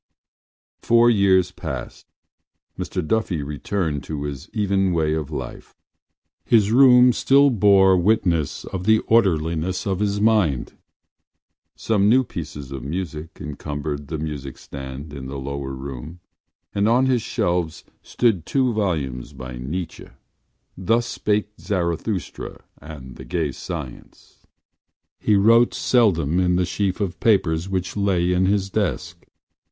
Four years passed. Mr Duffy returned to his even way of life. His room still bore witness of the orderliness of his mind. Some new pieces of music encumbered the music stand in the lower room and on his shelves stood two volumes by Nietzsche: Thus Spake Zarathustra and The Gay Science. He wrote seldom in the sheaf of papers which lay in his desk.